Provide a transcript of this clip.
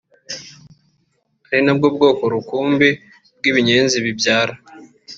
ari nabwo bwoko rukumbi bw’ibinyenzi bibyara